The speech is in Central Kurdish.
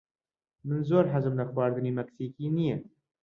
من زۆر حەزم لە خواردنی مەکسیکی نییە.